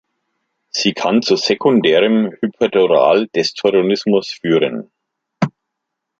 Sie kann zu sekundärem Hyperaldosteronismus führen.